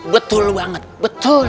betul banget betul